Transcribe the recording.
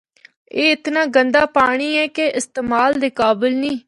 اے اتنا گندا پانڑی اے کہ استعمال دے قابل نیں۔